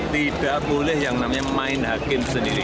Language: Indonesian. tidak boleh yang namanya main hakim sendiri